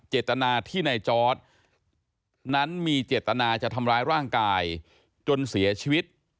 เจตนาที่ในจอร์ดนั้นมีเจตนาจะทำร้ายร่างกายจนเสียชีวิต